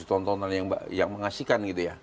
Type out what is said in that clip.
tontonan yang mengasihkan